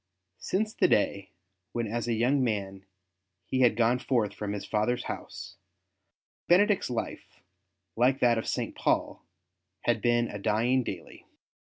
Since the day when as a young man he had gone forth from his father's house, Benedict's life, like that of St. Paul, had been a dying daily.